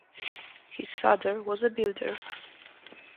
His father was a builder.